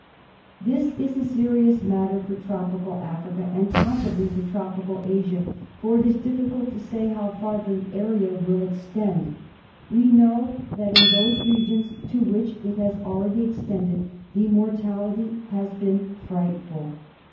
This is a serious matter for Tropical Africa, and possibly for Tropical Asia, for it is difficult to say how far the area will extend. We know that in those regions to which it has already extended the mortality has been frightful.